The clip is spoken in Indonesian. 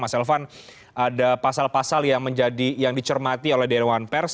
mas elvan ada pasal pasal yang dicermati oleh dewan pers